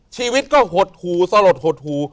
ชีวิตก็หดหูสลดหดหู